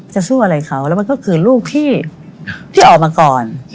สู้อะไรเขาแล้วมันก็คือลูกที่ออกมาก่อน